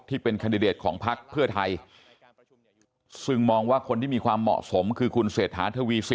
ที่เป็นขันเดตของพรรถพอไทยซึ่งมองว่าคนที่มีความเหมาะสมคือคุณเศรษฐา